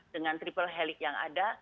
dengan triple helik yang ada